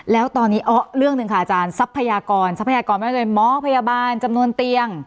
แล้วตอนนี้เรื่องหนึ่งค่ะอาจารย์ทรัพยากรทรัพยากรไม่ว่าจะเป็นหมอพยาบาลจำนวนเตียง